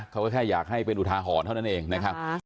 เขาก็แค่อยากให้เป็นอุทาหรณ์เท่านั้นเองนะครับ